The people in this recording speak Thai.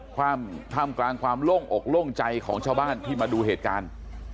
ท่ามกลางความโล่งอกโล่งใจของชาวบ้านที่มาดูเหตุการณ์